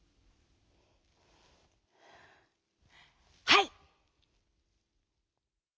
「はい！」。